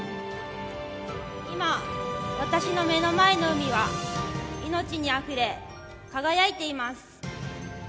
今、私の目の前の海は命にあふれ、輝いています。